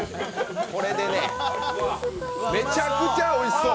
これでね、めちゃくちゃおいしそう！